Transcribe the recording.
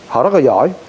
họ rất là giỏi